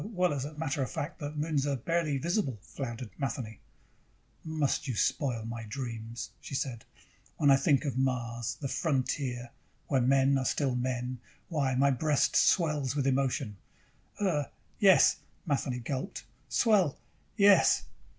"Uh, well, as a matter of fact, the moons are barely visible," floundered Matheny. "Must you spoil my dreams?" she said. "When I think of Mars, the frontier, where men are still men, why, my breast swells with emotion." "Uh, yes." Matheny gulped. "Swell. Yes."